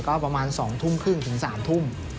ก็ประมาณ๒ทุ่มครึ่งถึง๓ทุ่ม